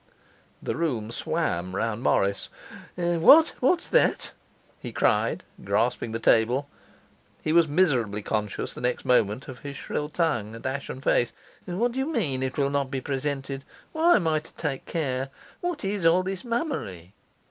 The room swam round Morris. 'What what's that?' he cried, grasping the table. He was miserably conscious the next moment of his shrill tongue and ashen face. 'What do you mean it will not be presented? Why am I to take care? What is all this mummery?